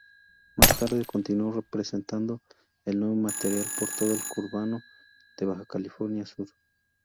Más tarde continuó presentando el nuevo material por todo el conurbano de Bs.